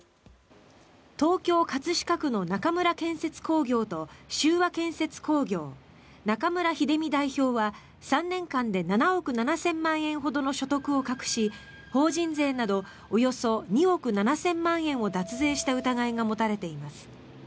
東京・葛飾区の中村建設工業と秀和建設工業、中村秀美代表は３年間で７億７０００万円ほどの所得を隠し法人税などおよそ２億７０００万円を脱税した疑いが持たれています。